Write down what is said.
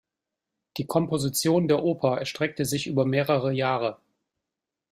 Die Komposition der Oper erstreckte sich über mehrere Jahre.